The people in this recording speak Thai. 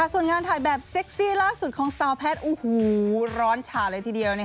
ส่วนงานถ่ายแบบเซ็กซี่ล่าสุดของสาวแพทย์โอ้โหร้อนฉาเลยทีเดียว